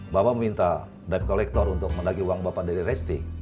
bapak meminta dien kolektor untuk menagih uang bapak dari resti